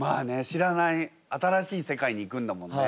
知らない新しい世界に行くんだもんね。